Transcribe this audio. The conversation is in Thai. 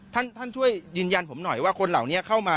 ท่านท่านช่วยยืนยันผมหน่อยว่าคนเหล่านี้เข้ามา